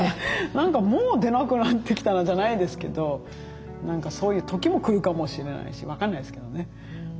何かもう出なくなってきたなじゃないですけど何かそういう時も来るかもしれないし分かんないですけどね。